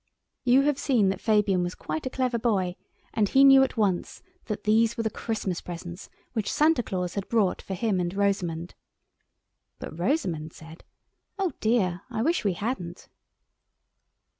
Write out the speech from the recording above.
You have seen that Fabian was quite a clever boy; and he knew at once that these were the Christmas presents which Santa Claus had brought for him and Rosamund. But Rosamund said, "Oh dear, I wish we hadn't!"